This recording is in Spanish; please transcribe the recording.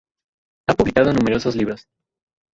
Ha publicado numerosos libros.